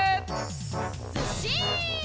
ずっしん！